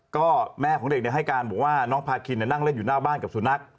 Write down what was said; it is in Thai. ก็แม่ของเด็กให้การบอกว่าน้องพาคินนั่งเล่นอยู่หน้าบ้านกับสุนัข